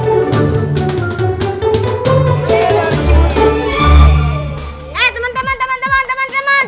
eh teman teman teman teman teman